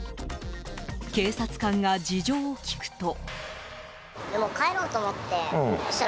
警察官が事情を聴くと。